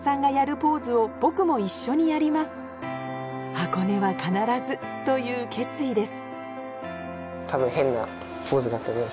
「箱根は必ず」という決意です